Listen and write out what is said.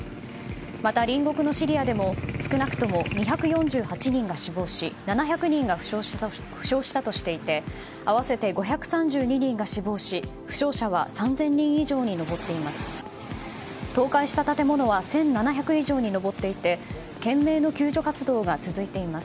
また隣国のシリアでも少なくとも２４８人が死亡し７００人が負傷したとしていて合わせて５３２人が死亡し負傷者は３０００人以上に上っています。